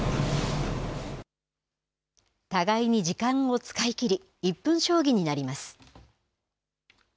互いに時間を使い切り１分将棋になります。